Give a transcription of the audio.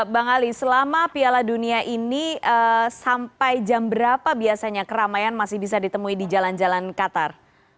bang ali selama piala dunia ini sampai jam berapa biasanya keramaian masih bisa ditemui di jalan jalan qatar